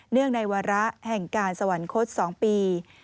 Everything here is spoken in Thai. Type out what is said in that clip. เนื่องในวาระแห่งการสวรรคต๒ปี